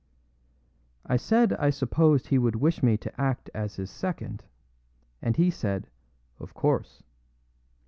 I said I supposed he would wish me to act as his second, and he said, "Of course."